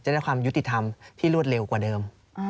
ได้ความยุติธรรมที่รวดเร็วกว่าเดิม